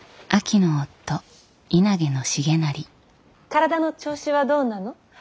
体の調子はどうなの。